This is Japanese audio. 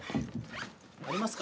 ありますか？